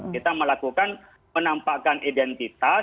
kita melakukan menampakkan identitas